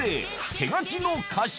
手書きの歌詞